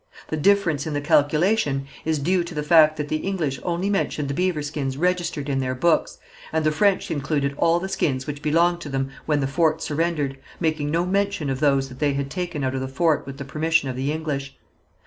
The difference in the calculation is due to the fact that the English only mentioned the beaver skins registered in their books, and the French included all the skins which belonged to them when the fort surrendered, making no mention of those that they had taken out of the fort with the permission of the English.